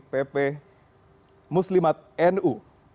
pp muslimat nu